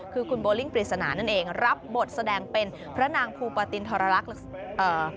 คือคุณโบลิ่งปริศนานั่นเองรับบทแสดงเป็นพระนางภูปตินทรรักษ์เอ่อ